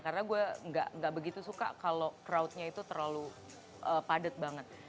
karena gue nggak begitu suka kalau crowd nya itu terlalu padat banget